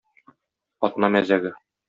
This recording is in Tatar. Атна мәзәге!